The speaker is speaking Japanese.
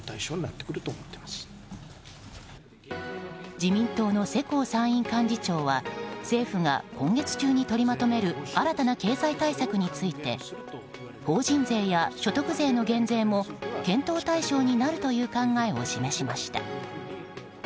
自民党の世耕参院幹事長は政府が今月中に取りまとめる新たな経済対策について法人税や所得税の減税も検討対象になるという考えを示しました。